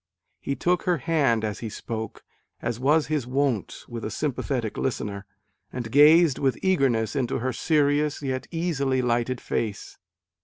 He took her hand as he spoke, as was his wont with a sympathetic listener, and gazed with eagerness into her serious yet easily lighted face.